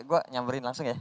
gue nyamberin langsung ya